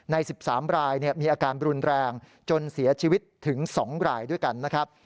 ใน๑๓รายมีอาการรุนแรงจนเสียชีวิตถึง๒รายด้วยกันนะครับ